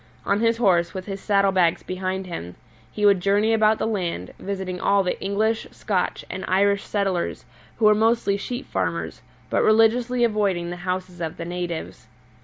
On his horse, with his saddle bags behind him, he would journey about the land, visiting all the English, Scotch, and Irish settlers, who were mostly sheep farmers, but religiously avoiding the houses of the natives.